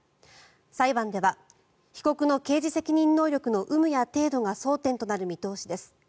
裁判では被告の刑事責任能力の有無や程度が争点となる見通しです。